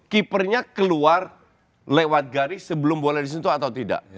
keepernya keluar lewat garis sebelum boleh disentuh atau tidak